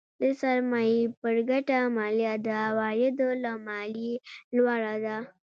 د سرمایې پر ګټه مالیه د عوایدو له مالیې لوړه ده.